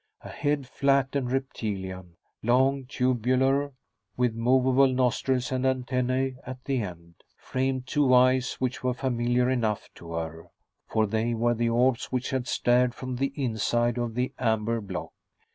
A head flat and reptilian, long, tubular, with movable nostrils and antennae at the end, framed two eyes which were familiar enough to her, for they were the orbs which had stared from the inside of the amber block.